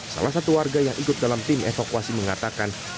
salah satu warga yang ikut dalam tim evakuasi mengatakan